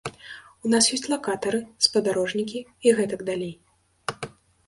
У нас ёсць лакатары, спадарожнікі і гэтак далей.